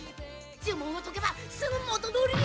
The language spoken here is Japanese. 「呪文を解けばすぐ元通りに」